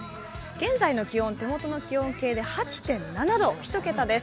現在の気温、手元の気温計で８．７度、１桁です。